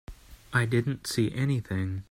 I didn't see anything.